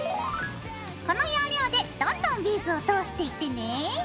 この要領でどんどんビーズを通していってね。